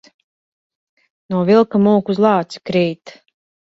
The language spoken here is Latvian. No vilka mūk, uz lāci krīt.